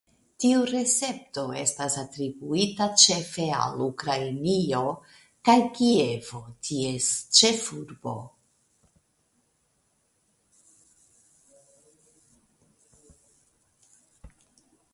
Tiu recepto estas atribuita ĉefe al Ukrainio kaj Kievo ties ĉefurbo.